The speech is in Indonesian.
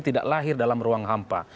tidak lahir dalam ruang hampa